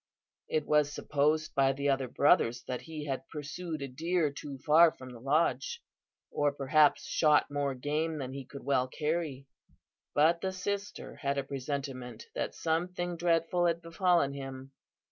It was supposed by the other brothers that he had pursued a deer too far from the lodge, or perhaps shot more game than he could well carry; but the sister had a presentiment that something dreadful had befallen him.